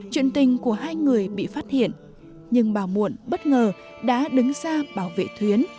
chuyện tình của hai người bị phát hiện nhưng bà muộn bất ngờ đã đứng ra bảo vệ thuyến